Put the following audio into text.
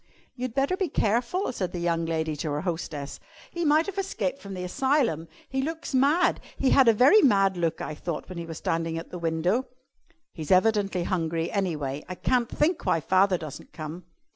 "You'd better be careful," said the young lady to her hostess; "he might have escaped from the asylum. He looks mad. He had a very mad look, I thought, when he was standing at the window." "He's evidently hungry, anyway. I can't think why father doesn't come."